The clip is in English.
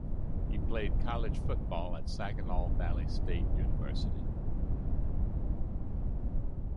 He played college football at Saginaw Valley State University.